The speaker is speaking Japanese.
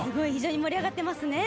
盛り上がってますね。